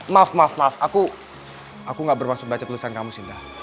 maaf maaf maaf aku nggak bermaksud baca tulisan kamu sinta